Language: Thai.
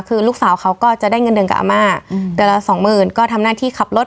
คือลูกสาวเขาก็จะได้เงินเดือนกับอาม่าเดือนละสองหมื่นก็ทำหน้าที่ขับรถ